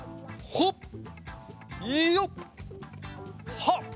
はっ！